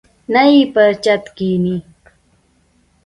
نه یې پر چت کښیني.